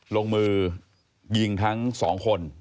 ลงมือยิงทั้งสองคน